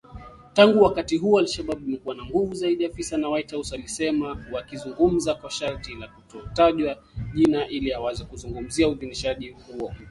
Tangu wakati huo al-Shabab imekuwa na nguvu zaidi, afisa wa White House alisema akizungumza kwa sharti la kutotajwa jina ili aweze kuzungumzia uidhinishaji huo mpya.